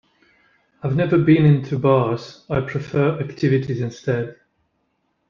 I've never been into bars I prefer activities instead.